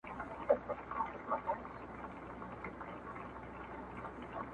نه زما ژوند ژوند سو او نه راسره ته پاته سوې.